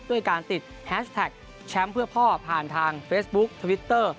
ด้วยการติดแฮชแท็กแชมป์เพื่อพ่อผ่านทางเฟซบุ๊คทวิตเตอร์